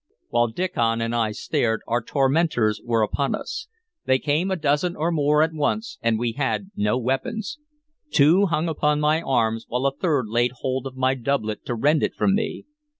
While Diccon and I stared our tormentors were upon us. They came a dozen or more at once, and we had no weapons. Two hung upon my arms, while a third laid hold of my doublet to rend it from me.